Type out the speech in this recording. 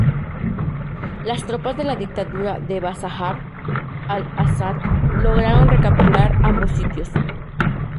Las tropas de la Dictadura de Bashar al-Ásad lograron recapturar ambos sitios.